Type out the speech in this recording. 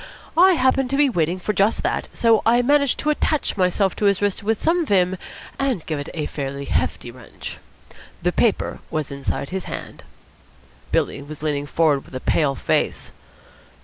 I happened to be waiting for just that, so I managed to attach myself to his wrist with some vim and give it a fairly hefty wrench. The paper was inside his hand." Billy was leaning forward with a pale face.